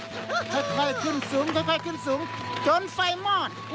ค่อยขึ้นสูงค่อยขึ้นสูงจนไฟมอด